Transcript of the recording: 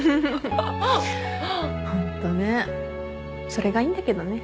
それがいいんだけどね。